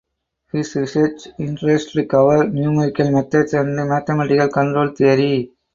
His research interests cover numerical methods and mathematical control theory.